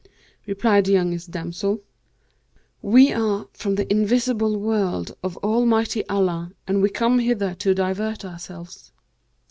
Replied the youngest damsel, 'We are from the invisible world of Almighty Allah and we come hither to divert ourselves.'